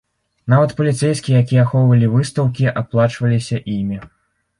Нават паліцэйскія, якія ахоўвалі выстаўкі, аплачваліся імі.